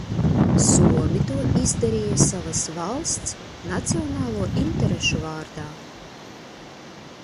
Somi to izdarīja savas valsts nacionālo interešu vārdā.